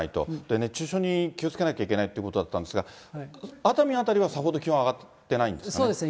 熱中症に気をつけなきゃいけないということだったんですが、熱海辺りは、さほど気温上がってないんですね。